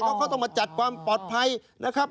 เพราะเขาต้องมาจัดความปลอดภัยนะครับ